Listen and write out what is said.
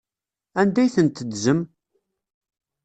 Anda ay tent-teddzem?